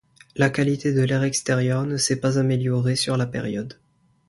La qualité de l'air extérieur ne s’est pas améliorée sur la période.